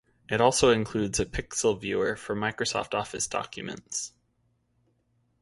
It also includes a Picsel Viewer for Microsoft Office documents.